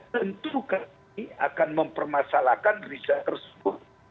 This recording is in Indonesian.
tentu kami akan mempermasalahkan riset tersebut